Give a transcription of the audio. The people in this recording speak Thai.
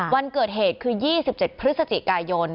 วันเกิดเหตุคือ๒๗พฤศจิกายน